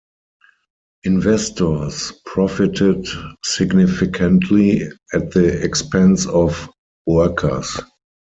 Investors profited significantly at the expense of workers.